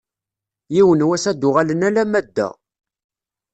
Yiwen n wass ad d-uɣalen alamma d da.